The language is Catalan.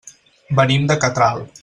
Venim de Catral.